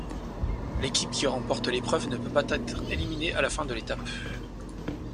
L'équipe qui remporte l'épreuve ne peut pas être éliminée à la fin de l'étape.